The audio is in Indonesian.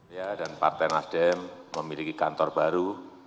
ya dan partai nasdem memiliki kantor baru